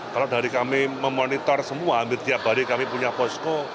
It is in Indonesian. kalau dari kami memonitor semua hampir tiap hari kami punya posko